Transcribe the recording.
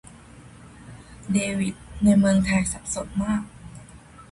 เดวิด: ในเมืองไทยสับสนมาก